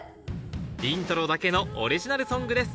『イントロ』だけのオリジナルソングです